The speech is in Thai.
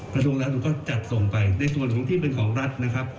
กระทรวงแรงก็จัดส่งไปในส่วนของที่เป็นของรัฐนะครับ